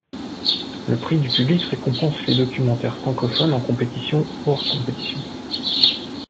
Le prix du public récompense les documentaires francophones en compétition ou hors compétition.